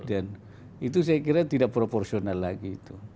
dan itu saya kira tidak proporsional lagi